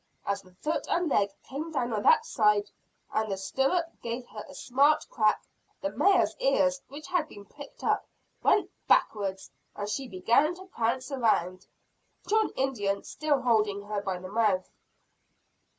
As the foot and leg came down on that side, and the stirrup gave her a smart crack, the mare's ears, which had been pricked up, went backwards and she began to prance around, John Indian still holding her by the mouth.